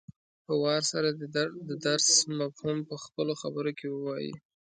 په وار سره دې د درس مفهوم په خپلو خبرو کې ووايي.